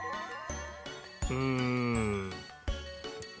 うん。